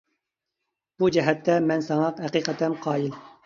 بۇ جەھەتتە مەن ساڭا ھەقىقەتەن قايىل.